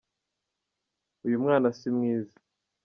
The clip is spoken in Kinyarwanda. uyumwana simwiza